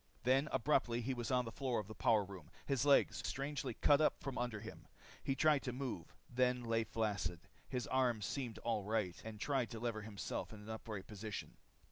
Then abruptly he was on the floor of the power room, his legs strangely cut out from under him. He tried to move them. They lay flaccid. His arms seemed all right and tried to lever himself to an upright position.